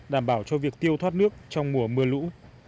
đảm bảo cho việc tiêu thoát nước trong mùa mưa lũ